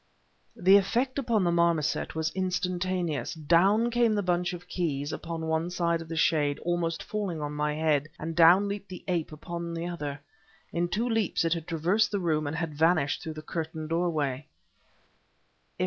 The effect upon the marmoset was instantaneous. Down came the bunch of keys upon one side of the shade, almost falling on my head, and down leaped the ape upon the other. In two leaps it had traversed the room and had vanished through the curtained doorway.